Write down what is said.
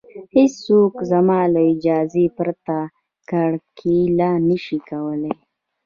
هېڅوک زما له اجازې پرته کرکیله نشي کولی